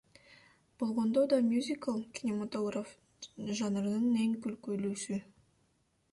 Болгондо да мюзикл — кинематограф жанрынын эң күлкүлүүсү.